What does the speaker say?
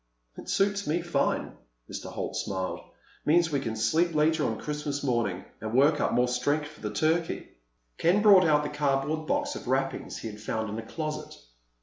"It suits me fine." Mr. Holt smiled. "Means we can sleep later on Christmas morning—and work up more strength for the turkey." Ken brought out the cardboard box of wrappings he had found in a closet.